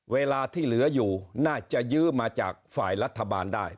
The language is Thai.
เวลาที่เหลืออยู่น่าจะยื้อมาจากฝ่ายรัฐบาลได้